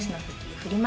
フリマ